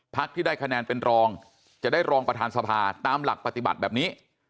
ที่ได้คะแนนเป็นรองจะได้รองประธานสภาตามหลักปฏิบัติแบบนี้